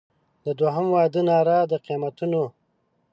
د دوهم واده ناره د قیامتونو